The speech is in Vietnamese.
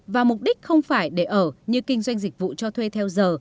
và mục đích không phải để ở như kinh doanh dịch vụ cho thuê theo giờ